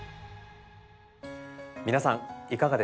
皆さんいかがでしたか？